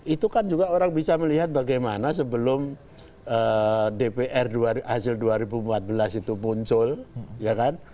itu kan juga orang bisa melihat bagaimana sebelum dpr hasil dua ribu empat belas itu muncul ya kan